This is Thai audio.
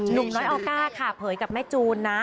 หนุ่มน้อยออก้าค่ะเผยกับแม่จูนนะ